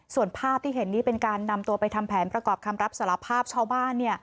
ส่วนภาพที่เห็นนี่เป็นการนำตัวไปทำแผนประกอบคำรับสารภาพชาวบ้าน